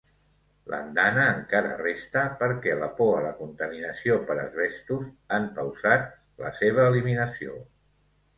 L'andana encara resta, perquè la por a la contaminació per asbestos han pausat la seva eliminació.